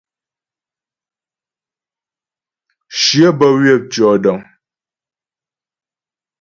Shyə bə́ ywə̌ tʉ̂ɔdəŋ.